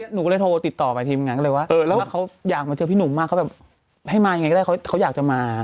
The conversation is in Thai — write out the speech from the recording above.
หนูก็เลยโทรติดต่อไปทีมงานก็เลยว่าเออแล้วถ้าเขาอยากมาเจอพี่หนุ่มมากเขาแบบให้มายังไงก็ได้เขาอยากจะมา